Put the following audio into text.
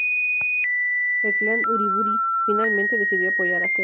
El clan Uriburu finalmente decidió apoyar a Zerda.